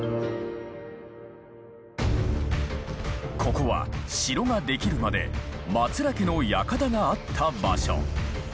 ここは城ができるまで松浦家の館があった場所。